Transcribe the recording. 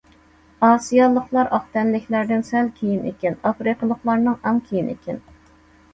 ئاسىيالىقلار ئاق تەنلىكلەردىن سەل كېيىن ئىكەن، ئافرىقىلىقلارنىڭ ئەڭ كېيىن ئىكەن.